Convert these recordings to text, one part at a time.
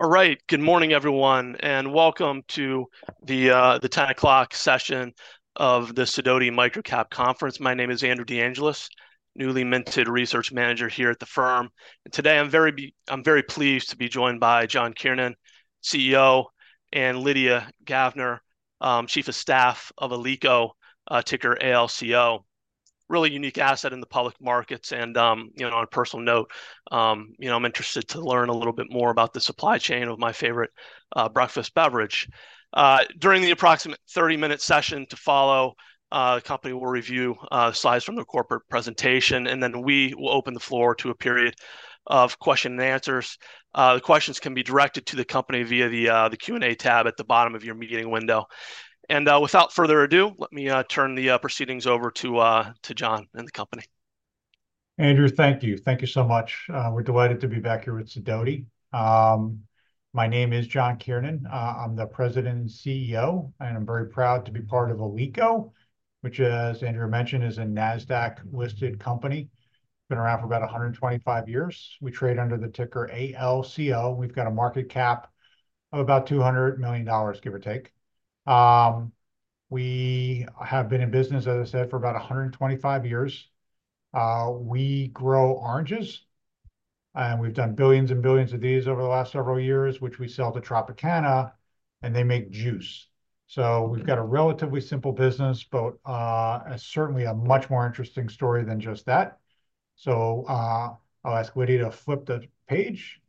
All right. Good morning, everyone, and welcome to the 10:00 A.M. session of the SIDOTI Micro-Cap Conference. My name is Andrew DeAngelis, newly minted research manager here at the firm. Today, I'm very pleased to be joined by John Kiernan, CEO, and Lydia Gavner, Chief of Staff of Alico, ticker ALCO. Really unique asset in the public markets, and, you know, on a personal note, you know, I'm interested to learn a little bit more about the supply chain of my favorite breakfast beverage. During the approximate 30-minute session to follow, the company will review slides from their corporate presentation, and then we will open the floor to a period of question and answers. The questions can be directed to the company via the Q&A tab at the bottom of your meeting window. Without further ado, let me turn the proceedings over to to John and the company. Andrew, thank you. Thank you so much. We're delighted to be back here with SIDOTI. My name is John Kiernan. I'm the President and CEO, and I'm very proud to be part of Alico, which, as Andrew mentioned, is a NASDAQ-listed company. Been around for about 125 years. We trade under the ticker ALCO. We've got a market cap of about $200 million, give or take. We have been in business, as I said, for about 125 years. We grow oranges, and we've done billions and billions of these over the last several years, which we sell to Tropicana, and they make juice. So we've got a relatively simple business, but certainly a much more interesting story than just that. So, I'll ask Lydia to flip the page,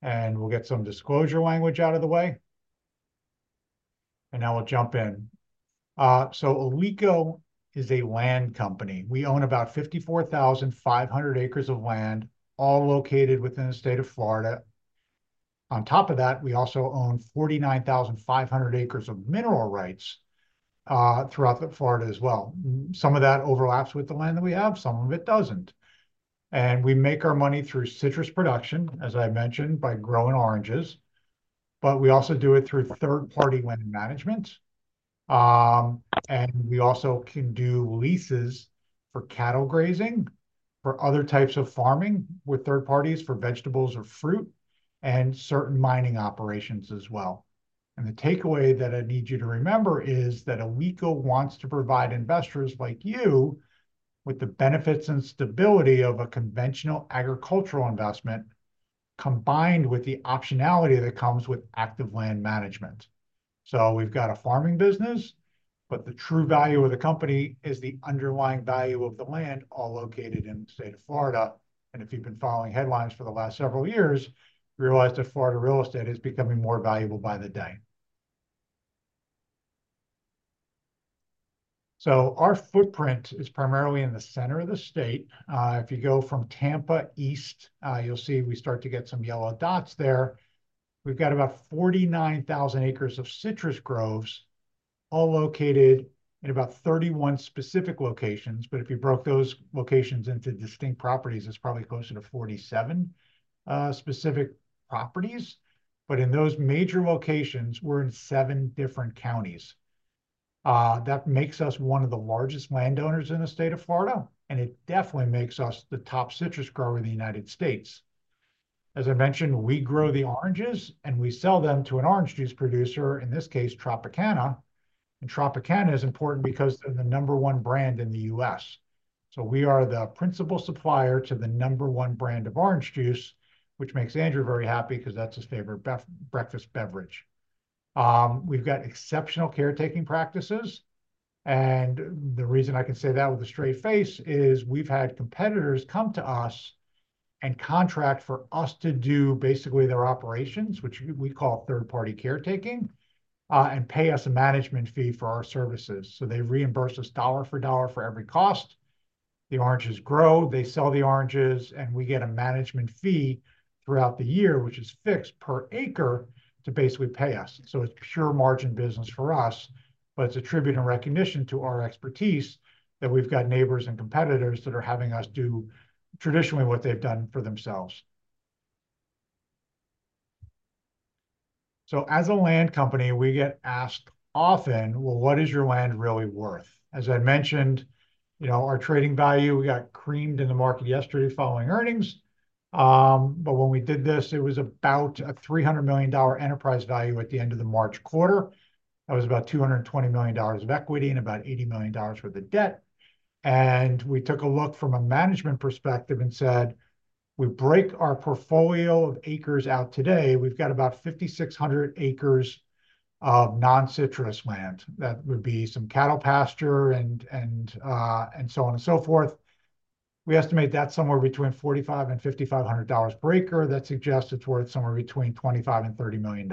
and we'll get some disclosure language out of the way, and I will jump in. So Alico is a land company. We own about 54,500 acres of land, all located within the state of Florida. On top of that, we also own 49,500 acres of mineral rights, throughout Florida as well. Some of that overlaps with the land that we have, some of it doesn't. And we make our money through citrus production, as I mentioned, by growing oranges, but we also do it through third-party land management. And we also can do leases for cattle grazing, for other types of farming with third parties, for vegetables or fruit, and certain mining operations as well. The takeaway that I need you to remember is that Alico wants to provide investors like you with the benefits and stability of a conventional agricultural investment, combined with the optionality that comes with active land management. So we've got a farming business, but the true value of the company is the underlying value of the land, all located in the state of Florida. If you've been following headlines for the last several years, you realize that Florida real estate is becoming more valuable by the day. Our footprint is primarily in the center of the state. If you go from Tampa East, you'll see we start to get some yellow dots there. We've got about 49,000 acres of citrus groves, all located in about 31 specific locations, but if you broke those locations into distinct properties, it's probably closer to 47 specific properties. But in those major locations, we're in seven different counties. That makes us one of the largest landowners in the state of Florida, and it definitely makes us the top citrus grower in the United States. As I mentioned, we grow the oranges, and we sell them to an orange juice producer, in this case, Tropicana. And Tropicana is important because they're the number one brand in the U.S. So we are the principal supplier to the number one brand of orange juice, which makes Andrew very happy, 'cause that's his favorite breakfast beverage. We've got exceptional caretaking practices, and the reason I can say that with a straight face is we've had competitors come to us and contract for us to do basically their operations, which we call third-party caretaking, and pay us a management fee for our services. So they reimburse us dollar for dollar for every cost. The oranges grow, they sell the oranges, and we get a management fee throughout the year, which is fixed per acre, to basically pay us. So it's pure margin business for us, but it's a tribute and recognition to our expertise that we've got neighbors and competitors that are having us do traditionally what they've done for themselves. So as a land company, we get asked often, "Well, what is your land really worth?" As I mentioned, you know, our trading value, we got creamed in the market yesterday following earnings. But when we did this, it was about a $300 million enterprise value at the end of the March quarter. That was about $220 million of equity and about $80 million worth of debt. And we took a look from a management perspective and said, "We break our portfolio of acres out today, we've got about 5,600 acres of non-citrus land." That would be some cattle pasture and so on and so forth. We estimate that's somewhere between $4,500-$5,500 per acre. That suggests it's worth somewhere between $25 million-$30 million.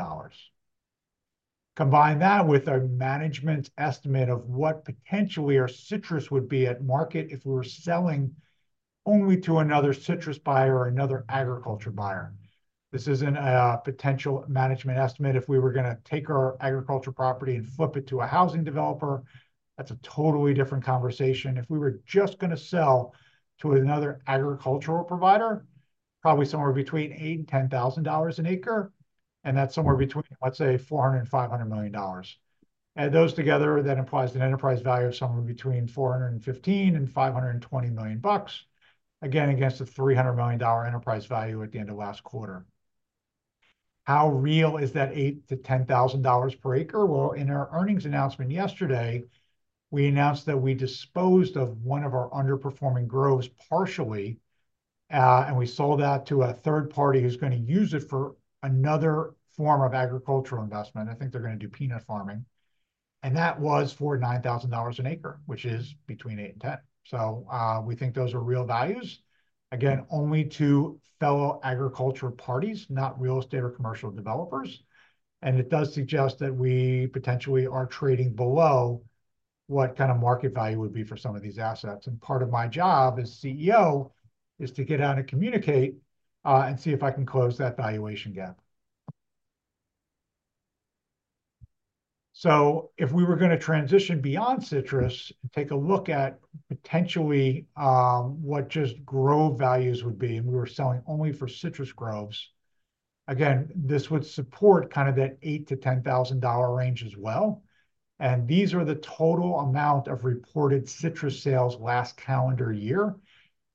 Combine that with a management estimate of what potentially our citrus would be at market if we were selling only to another citrus buyer or another agriculture buyer. This isn't a potential management estimate. If we were gonna take our agriculture property and flip it to a housing developer, that's a totally different conversation. If we were just gonna sell to another agricultural provider, probably somewhere between $8,000-$10,000 an acre, and that's somewhere between, let's say, $400 million-$500 million. Add those together, that implies an enterprise value of somewhere between $415 million-$520 million, again, against the $300 million enterprise value at the end of last quarter. How real is that $8,000-$10,000 per acre? Well, in our earnings announcement yesterday, we announced that we disposed of one of our underperforming groves partially, and we sold that to a third party who's gonna use it for another form of agricultural investment. I think they're gonna do peanut farming, and that was for $9,000 an acre, which is between eight and 10. So, we think those are real values. Again, only to fellow agricultural parties, not real estate or commercial developers, and it does suggest that we potentially are trading below what kind of market value would be for some of these assets. Part of my job as CEO is to get out and communicate, and see if I can close that valuation gap. So if we were gonna transition beyond citrus and take a look at potentially, what just grove values would be, and we were selling only for citrus groves, again, this would support kind of that $8,000-$10,000 range as well. These are the total amount of reported citrus sales last calendar year.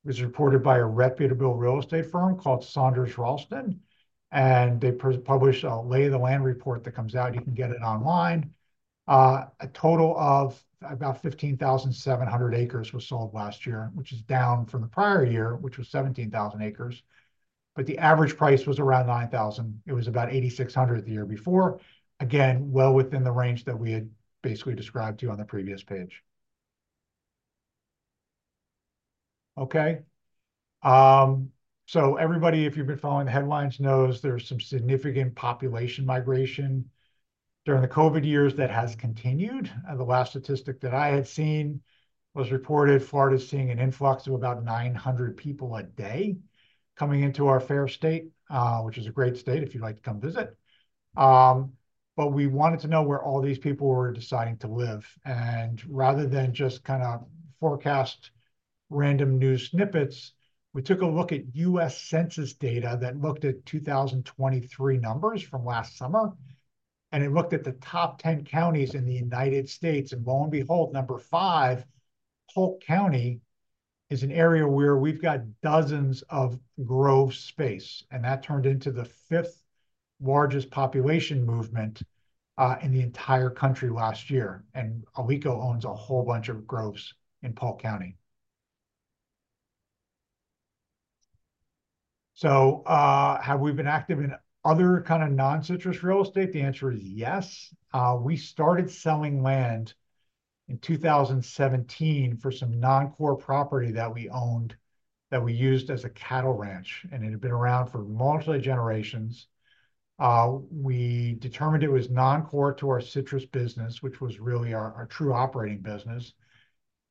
It was reported by a reputable real estate firm called Saunders Ralston, and they published a Lay of the Land Report that comes out. You can get it online. A total of about 15,700 acres was sold last year, which is down from the prior year, which was 17,000 acres, but the average price was around $9,000. It was about $8,600 the year before. Again, well within the range that we had basically described to you on the previous page. Okay. So everybody, if you've been following the headlines, knows there's some significant population migration during the COVID years. That has continued. The last statistic that I had seen was reported, Florida's seeing an influx of about 900 people a day coming into our fair state, which is a great state if you'd like to come visit. But we wanted to know where all these people were deciding to live. And rather than just kind of forecast random news snippets, we took a look at U.S. Census data that looked at 2023 numbers from last summer, and it looked at the top 10 counties in the United States. And lo and behold, number five, Polk County, is an area where we've got dozens of grove space, and that turned into the 5th largest population movement in the entire country last year. And Alico owns a whole bunch of groves in Polk County. So, have we been active in other kind of non-citrus real estate? The answer is yes. We started selling land in 2017 for some non-core property that we owned, that we used as a cattle ranch, and it had been around for multiple generations. We determined it was non-core to our citrus business, which was really our true operating business,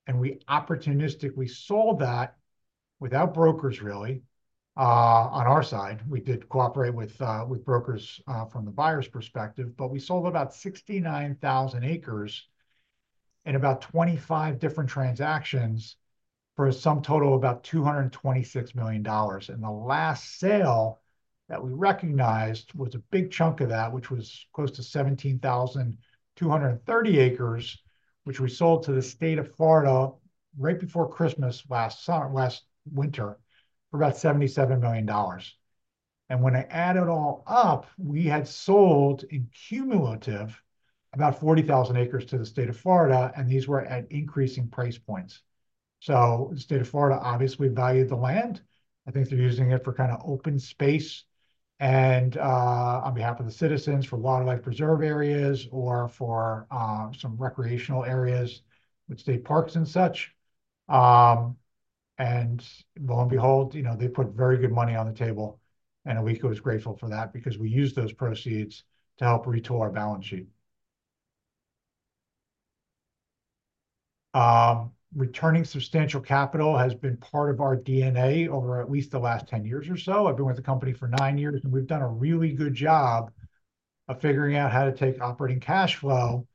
and we opportunistically sold that without brokers, really, on our side. We did cooperate with with brokers from the buyer's perspective, but we sold about 69,000 acres in about 25 different transactions for a sum total of about $226 million. The last sale that we recognized was a big chunk of that, which was close to 17,230 acres, which we sold to the state of Florida right before Christmas last winter, for about $77 million. When I add it all up, we had sold in cumulative, about 40,000 acres to the state of Florida, and these were at increasing price points. The state of Florida obviously valued the land. I think they're using it for kind of open space and, on behalf of the citizens, for wildlife preserve areas or for, some recreational areas with state parks and such. And lo and behold, you know, they put very good money on the table, and Alico is grateful for that because we used those proceeds to help retool our balance sheet. Returning substantial capital has been part of our DNA over at least the last 10 years or so. I've been with the company for nine years, and we've done a really good job of figuring out how to take operating cash flow,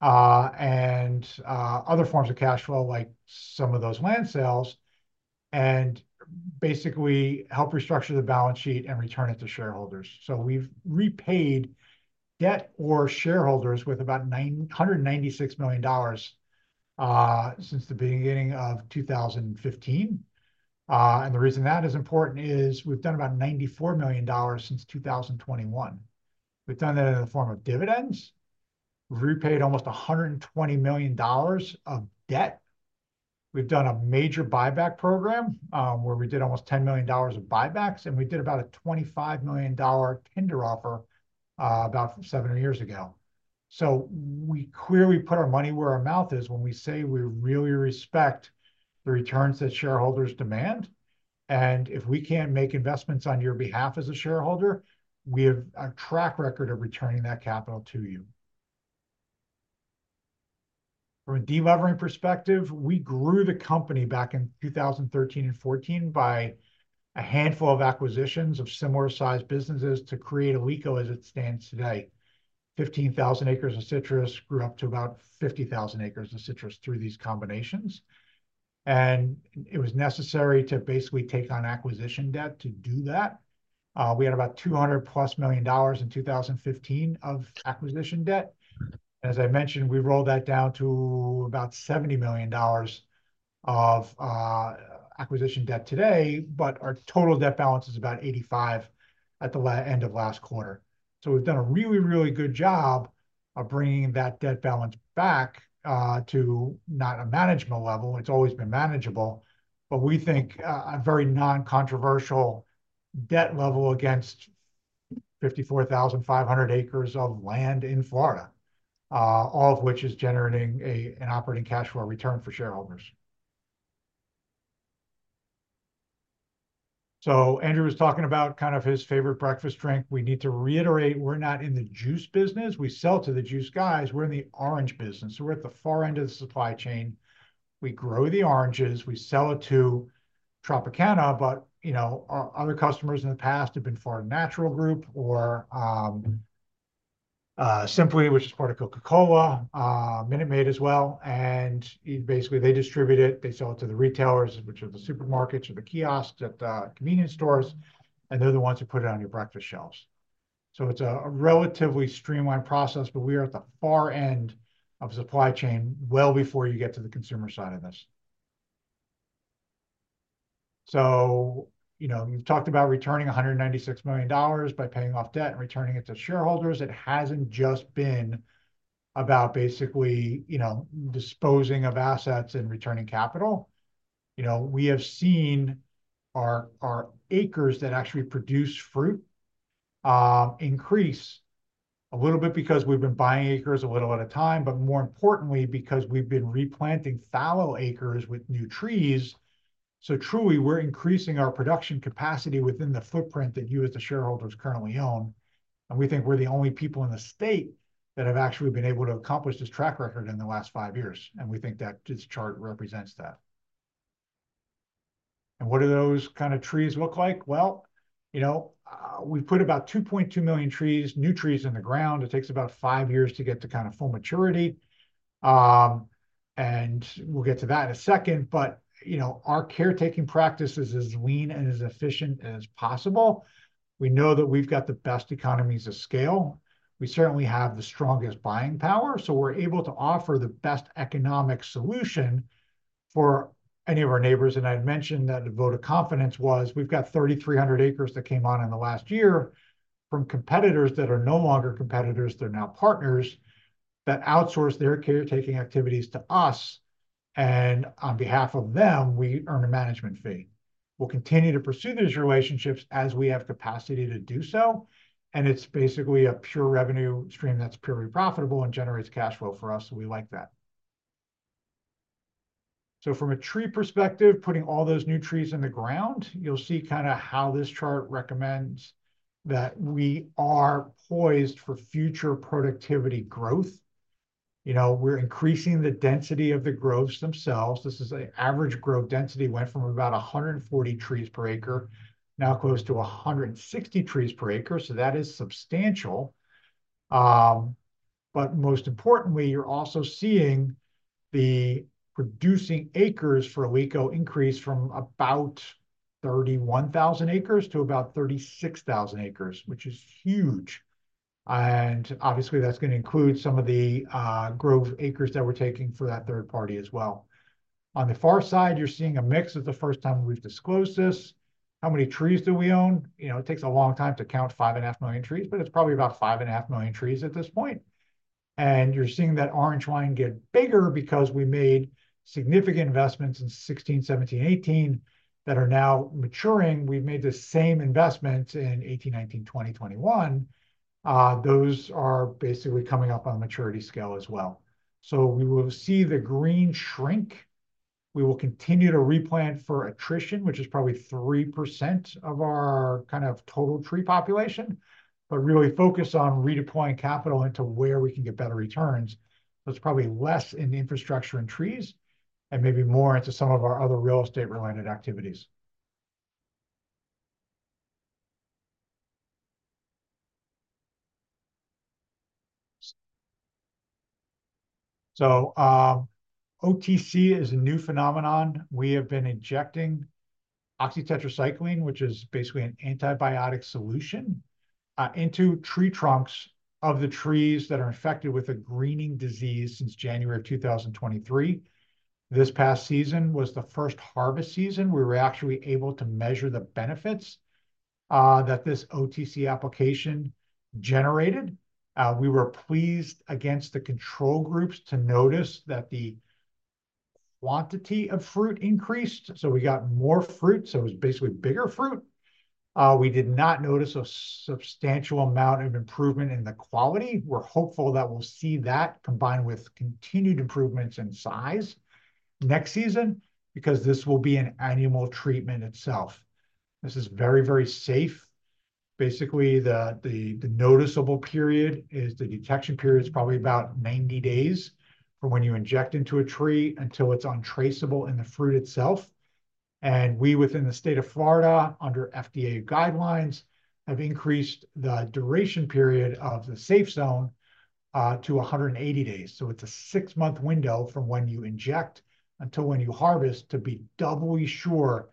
and other forms of cash flow, like some of those land sales, and basically help restructure the balance sheet and return it to shareholders. So we've repaid debt or shareholders with about $996 million since the beginning of 2015. The reason that is important is we've done about $94 million since 2021. We've done that in the form of dividends. We've repaid almost $120 million of debt. We've done a major buyback program, where we did almost $10 million of buybacks, and we did about a $25 million tender offer, about seven years ago. So we clearly put our money where our mouth is when we say we really respect the returns that shareholders demand, and if we can't make investments on your behalf as a shareholder, we have a track record of returning that capital to you. From a de-levering perspective, we grew the company back in 2013 and 2014 by a handful of acquisitions of similar-sized businesses to create Alico as it stands today. 15,000 acres of citrus grew up to about 50,000 acres of citrus through these combinations, and it was necessary to basically take on acquisition debt to do that. We had about $200+ million in 2015 of acquisition debt. As I mentioned, we rolled that down to about $70 million of acquisition debt today, but our total debt balance is about $85 million at the end of last quarter. So we've done a really, really good job of bringing that debt balance back to not a management level, it's always been manageable, but we think a very non-controversial debt level against 54,500 acres of land in Florida. All of which is generating an operating cash flow return for shareholders. So Andrew was talking about kind of his favorite breakfast drink. We need to reiterate, we're not in the juice business. We sell to the juice guys. We're in the orange business, so we're at the far end of the supply chain. We grow the oranges, we sell it to Tropicana, but you know, our other customers in the past have been Florida's Natural Growers or Simply, which is part of Coca-Cola, Minute Maid as well, and basically they distribute it. They sell it to the retailers, which are the supermarkets or the kiosks at convenience stores, and they're the ones who put it on your breakfast shelves. So it's a relatively streamlined process, but we are at the far end of the supply chain well before you get to the consumer side of this. So, you know, we've talked about returning $196 million by paying off debt and returning it to shareholders. It hasn't just been about basically, you know, disposing of assets and returning capital. You know, we have seen our acres that actually produce fruit increase a little bit because we've been buying acres a little at a time, but more importantly, because we've been replanting fallow acres with new trees. So truly, we're increasing our production capacity within the footprint that you, as the shareholders, currently own, and we think we're the only people in the state that have actually been able to accomplish this track record in the last five years, and we think that this chart represents that. And what do those kind of trees look like? Well, you know, we've put about 2.2 million trees, new trees in the ground. It takes about five years to get to kind of full maturity, and we'll get to that in a second. But, you know, our caretaking practice is as lean and as efficient as possible. We know that we've got the best economies of scale. We certainly have the strongest buying power, so we're able to offer the best economic solution for any of our neighbors. And I'd mentioned that the vote of confidence was, we've got 3,300 acres that came on in the last year from competitors that are no longer competitors, they're now partners, that outsource their caretaking activities to us, and on behalf of them, we earn a management fee. We'll continue to pursue those relationships as we have capacity to do so, and it's basically a pure revenue stream that's purely profitable and generates cash flow for us, so we like that. So from a tree perspective, putting all those new trees in the ground, you'll see kind of how this chart recommends that we are poised for future productivity growth. You know, we're increasing the density of the groves themselves. This is an average grove density, went from about 140 trees per acre, now close to 160 trees per acre, so that is substantial. But most importantly, you're also seeing the producing acres for Alico increase from about 31,000 acres to about 36,000 acres, which is huge, and obviously, that's gonna include some of the grove acres that we're taking for that third party as well. On the far side, you're seeing a mix. It's the first time we've disclosed this. How many trees do we own? You know, it takes a long time to count 5.5 million trees, but it's probably about 5.5 million trees at this point. And you're seeing that orange line get bigger because we made significant investments in 2016, 2017, 2018, that are now maturing. We've made the same investments in 2018, 2019, 2020, 2021. Those are basically coming up on the maturity scale as well. So we will see the green shrink. We will continue to replant for attrition, which is probably 3% of our kind of total tree population, but really focus on redeploying capital into where we can get better returns. So it's probably less in the infrastructure and trees, and maybe more into some of our other real estate-related activities. So, OTC is a new phenomenon. We have been injecting oxytetracycline, which is basically an antibiotic solution, into tree trunks of the trees that are infected with a greening disease since January of 2023. This past season was the first harvest season. We were actually able to measure the benefits that this OTC application generated. We were pleased against the control groups to notice that the quantity of fruit increased, so we got more fruit, so it was basically bigger fruit. We did not notice a substantial amount of improvement in the quality. We're hopeful that we'll see that, combined with continued improvements in size next season, because this will be an annual treatment itself. This is very, very safe. Basically, the noticeable period, the detection period, is probably about 90 days from when you inject into a tree until it's untraceable in the fruit itself and we, within the state of Florida, under FDA guidelines, have increased the duration period of the safe zone to 180 days. So it's a six-month window from when you inject until when you harvest to be doubly sure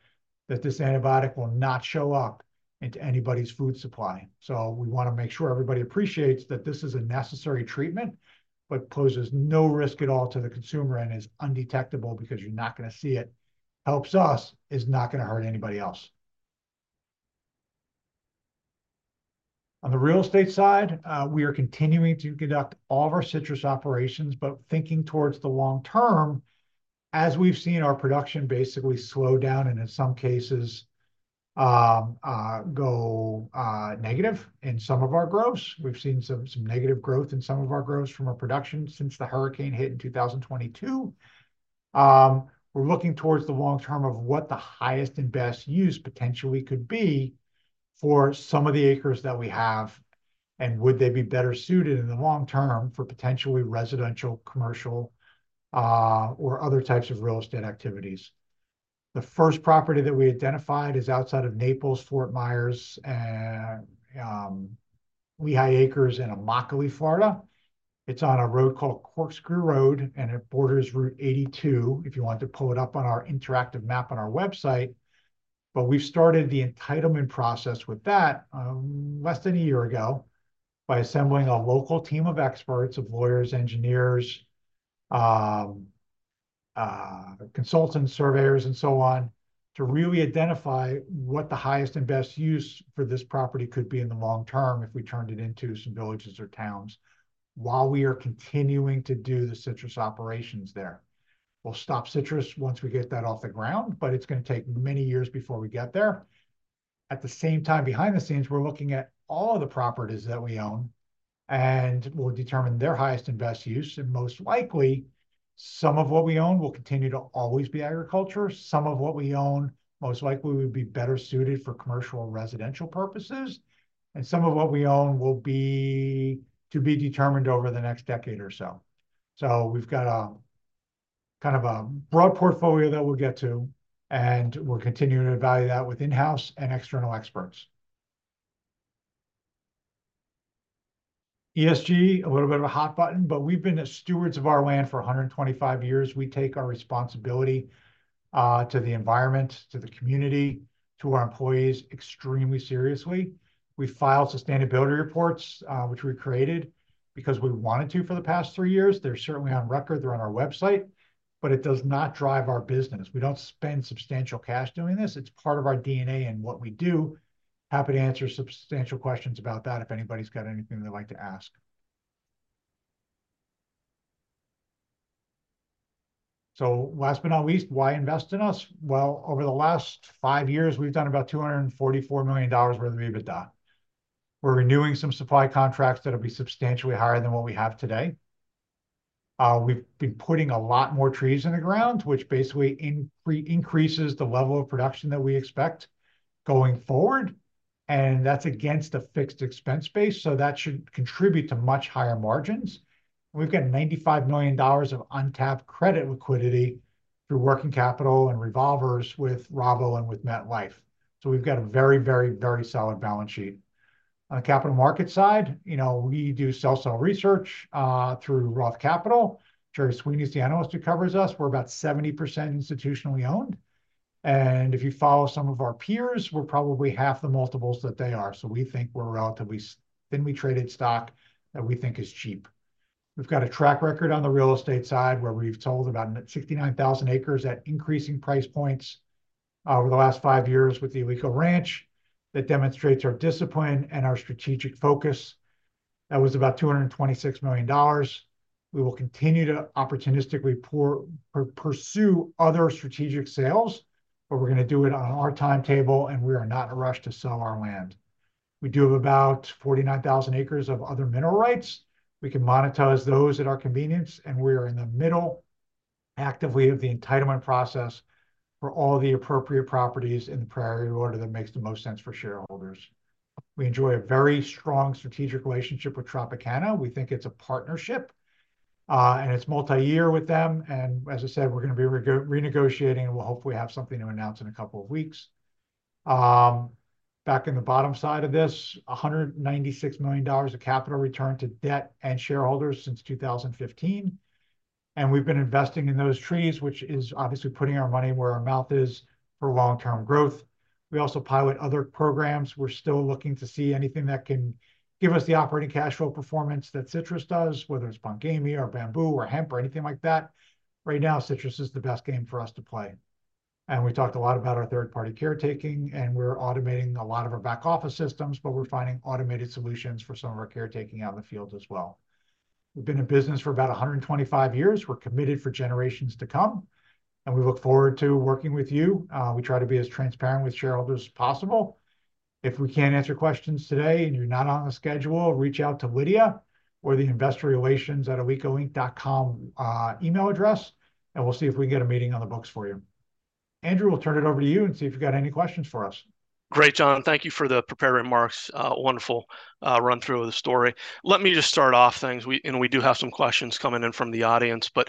that this antibiotic will not show up into anybody's food supply. So we wanna make sure everybody appreciates that this is a necessary treatment, but poses no risk at all to the consumer and is undetectable because you're not gonna see it. Helps us, it's not gonna hurt anybody else. On the real estate side, we are continuing to conduct all of our citrus operations, but thinking towards the long term, as we've seen our production basically slow down, and in some cases, go negative in some of our groves. We've seen some negative growth in some of our groves from our production since the hurricane hit in 2022. We're looking towards the long term of what the highest and best use potentially could be for some of the acres that we have, and would they be better suited in the long term for potentially residential, commercial, or other types of real estate activities? The first property that we identified is outside of Naples, Fort Myers, and Lehigh Acres in Immokalee, Florida. It's on a road called Corkscrew Road, and it borders Route 82, if you want to pull it up on our interactive map on our website. But we've started the entitlement process with that, less than a year ago, by assembling a local team of experts, of lawyers, engineers, consultants, surveyors, and so on, to really identify what the highest and best use for this property could be in the long term if we turned it into some villages or towns, while we are continuing to do the citrus operations there. We'll stop citrus once we get that off the ground, but it's gonna take many years before we get there. At the same time, behind the scenes, we're looking at all of the properties that we own and will determine their highest and best use, and most likely, some of what we own will continue to always be agriculture. Some of what we own most likely would be better suited for commercial and residential purposes, and some of what we own will be to be determined over the next decade or so. So we've got a, kind of a broad portfolio that we'll get to, and we're continuing to evaluate that with in-house and external experts. ESG, a little bit of a hot button, but we've been the stewards of our land for 125 years. We take our responsibility to the environment, to the community, to our employees, extremely seriously. We file sustainability reports, which we created because we wanted to for the past three years. They're certainly on record, they're on our website, but it does not drive our business. We don't spend substantial cash doing this. It's part of our DNA and what we do. Happy to answer substantial questions about that if anybody's got anything they'd like to ask. So last but not least, why invest in us? Well, over the last five years, we've done about $244 million worth of EBITDA. We're renewing some supply contracts that'll be substantially higher than what we have today. We've been putting a lot more trees in the ground, which basically increases the level of production that we expect going forward, and that's against a fixed expense base, so that should contribute to much higher margins. We've got $95 million of untapped credit liquidity through working capital and revolvers with Rabo and with MetLife. So we've got a very, very, very solid balance sheet. On the capital market side, you know, we do sell-side research through Roth Capital. Gerry Sweeney is the analyst who covers us. We're about 70% institutionally owned, and if you follow some of our peers, we're probably half the multiples that they are. So we think we're a relatively thinly traded stock that we think is cheap. We've got a track record on the real estate side, where we've sold about 59,000 acres at increasing price points over the last five years with the Alico Ranch. That was about $226 million. We will continue to opportunistically pursue other strategic sales, but we're gonna do it on our timetable, and we are not in a rush to sell our land. We do have about 49,000 acres of other mineral rights. We can monetize those at our convenience, and we are in the middle, actively, of the entitlement process for all the appropriate properties in the priority order that makes the most sense for shareholders. We enjoy a very strong strategic relationship with Tropicana. We think it's a partnership, and it's multi-year with them, and as I said, we're gonna be renegotiating, and we'll hopefully have something to announce in a couple of weeks. Back in the bottom side of this, $196 million of capital return to debt and shareholders since 2015. We've been investing in those trees, which is obviously putting our money where our mouth is for long-term growth. We also pilot other programs. We're still looking to see anything that can give us the operating cash flow performance that citrus does, whether it's Pongamia or bamboo or hemp or anything like that. Right now, citrus is the best game for us to play. And we talked a lot about our third-party caretaking, and we're automating a lot of our back office systems, but we're finding automated solutions for some of our caretaking out in the field as well. We've been in business for about 125 years. We're committed for generations to come, and we look forward to working with you. We try to be as transparent with shareholders as possible. If we can't answer questions today and you're not on the schedule, reach out to Lydia or the investorrelations@alicoinc.com email address, and we'll see if we can get a meeting on the books for you. Andrew, we'll turn it over to you and see if you've got any questions for us? Great, John, thank you for the prepared remarks. Wonderful run-through of the story. Let me just start off things. We do have some questions coming in from the audience, but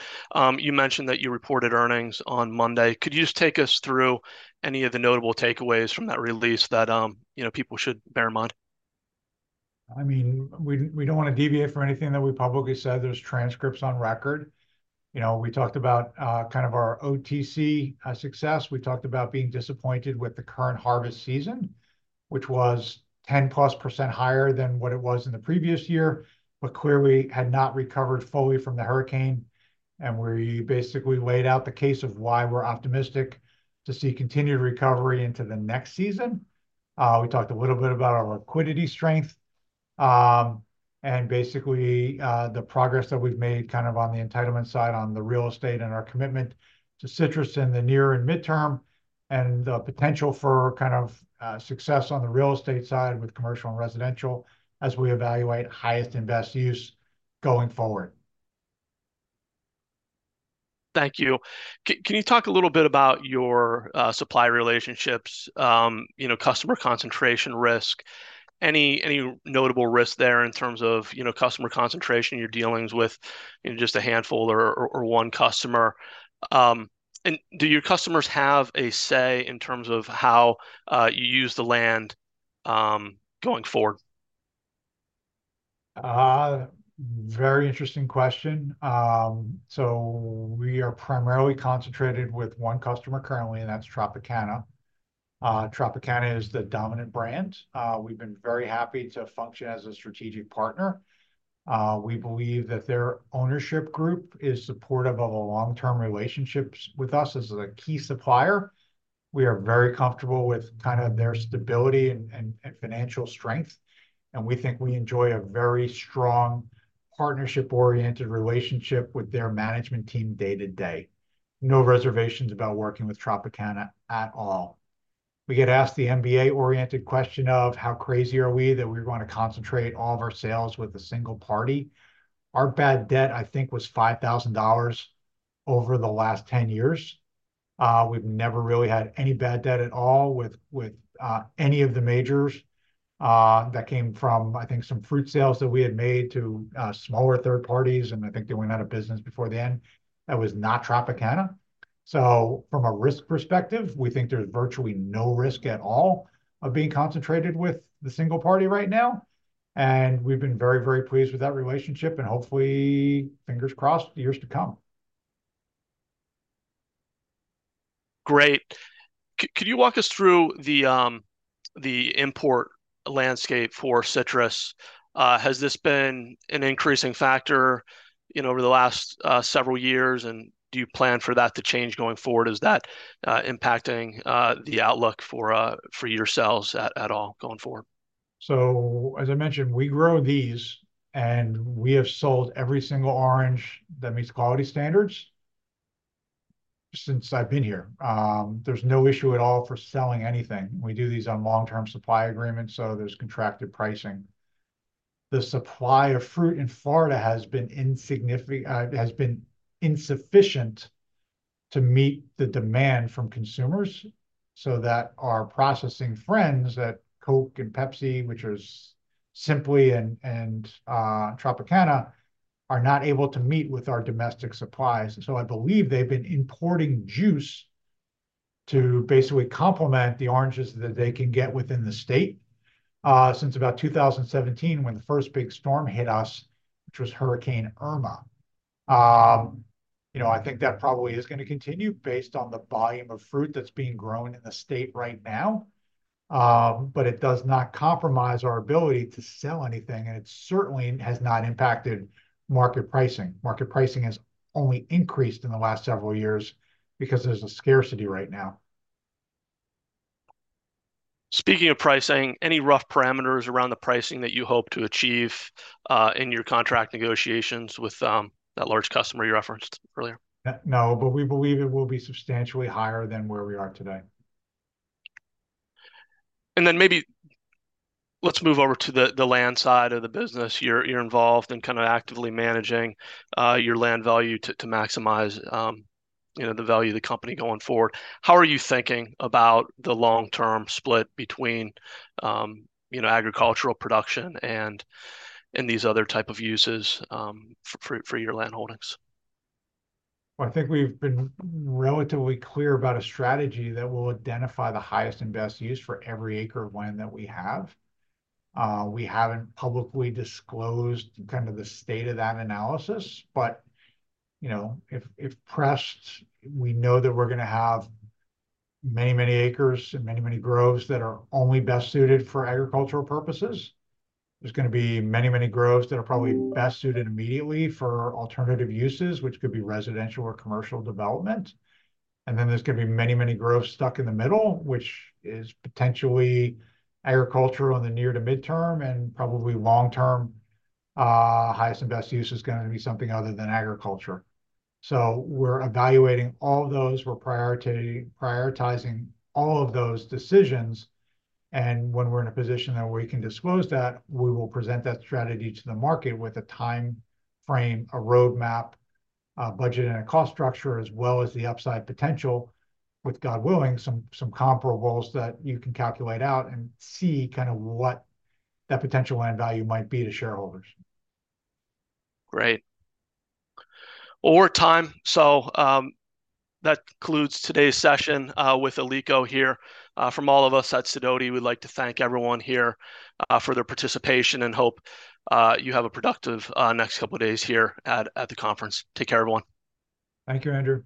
you mentioned that you reported earnings on Monday. Could you just take us through any of the notable takeaways from that release that, you know, people should bear in mind? I mean, we, we don't want to deviate from anything that we publicly said. There's transcripts on record. You know, we talked about, kind of our OTC success. We talked about being disappointed with the current harvest season, which was 10%+ higher than what it was in the previous year, but clearly had not recovered fully from the hurricane. And we basically laid out the case of why we're optimistic to see continued recovery into the next season. We talked a little bit about our liquidity strength, and basically, the progress that we've made kind of on the entitlement side, on the real estate, and our commitment to citrus in the near and midterm, and the potential for kind of, success on the real estate side with commercial and residential as we evaluate highest and best use going forward. Thank you. Can you talk a little bit about your supply relationships, you know, customer concentration risk? Any notable risks there in terms of, you know, customer concentration, your dealings with, you know, just a handful or one customer? And do your customers have a say in terms of how you use the land going forward? Very interesting question. So we are primarily concentrated with one customer currently, and that's Tropicana. Tropicana is the dominant brand. We've been very happy to function as a strategic partner. We believe that their ownership group is supportive of a long-term relationships with us as a key supplier. We are very comfortable with kind of their stability and financial strength, and we think we enjoy a very strong partnership-oriented relationship with their management team day to day. No reservations about working with Tropicana at all. We get asked the MBA-oriented question of how crazy are we that we're going to concentrate all of our sales with a single party? Our bad debt, I think, was $5,000 over the last 10 years. We've never really had any bad debt at all with any of the majors. That came from, I think, some fruit sales that we had made to, smaller third parties, and I think they went out of business before the end. That was not Tropicana. So from a risk perspective, we think there's virtually no risk at all of being concentrated with the single party right now, and we've been very, very pleased with that relationship and hopefully, fingers crossed, years to come. Great. Could you walk us through the import landscape for citrus? Has this been an increasing factor, you know, over the last several years, and do you plan for that to change going forward? Is that impacting the outlook for your sales at all going forward? So, as I mentioned, we grow these, and we have sold every single orange that meets quality standards since I've been here. There's no issue at all for selling anything. We do these on long-term supply agreements, so there's contracted pricing. The supply of fruit in Florida has been insufficient to meet the demand from consumers, so that our processing friends at Coke and Pepsi, which is Simply and Tropicana, are not able to meet with our domestic supplies. So I believe they've been importing juice to basically complement the oranges that they can get within the state, since about 2017, when the first big storm hit us, which was Hurricane Irma. You know, I think that probably is going to continue based on the volume of fruit that's being grown in the state right now. But it does not compromise our ability to sell anything, and it certainly has not impacted market pricing. Market pricing has only increased in the last several years because there's a scarcity right now. Speaking of pricing, any rough parameters around the pricing that you hope to achieve in your contract negotiations with that large customer you referenced earlier? No, but we believe it will be substantially higher than where we are today. And then maybe let's move over to the land side of the business. You're involved in kind of actively managing your land value to maximize, you know, the value of the company going forward. How are you thinking about the long-term split between, you know, agricultural production and these other type of uses, for your landholdings? Well, I think we've been relatively clear about a strategy that will identify the highest and best use for every acre of land that we have. We haven't publicly disclosed kind of the state of that analysis, but, you know, if, if pressed, we know that we're gonna have many, many acres and many, many groves that are only best suited for agricultural purposes. There's gonna be many, many groves that are probably best suited immediately for alternative uses, which could be residential or commercial development. And then there's gonna be many, many groves stuck in the middle, which is potentially agricultural in the near to midterm, and probably long term, highest and best use is gonna be something other than agriculture. So we're evaluating all those. We're prioritizing all of those decisions, and when we're in a position that we can disclose that, we will present that strategy to the market with a time frame, a roadmap, a budget, and a cost structure, as well as the upside potential, with, God willing, some comparables that you can calculate out and see kind of what that potential land value might be to shareholders. Great. Over time, so, that concludes today's session with Alico here. From all of us at SIDOTI, we'd like to thank everyone here for their participation, and hope you have a productive next couple of days here at the conference. Take care, everyone. Thank you, Andrew.